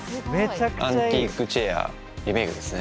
アンティークチェアリメイクですね。